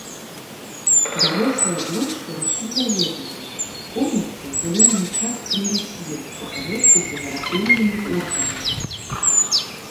Дарослыя блошкі раслінаедныя, кормяцца зялёнымі часткамі раслін, зрэдку генератыўнымі органамі.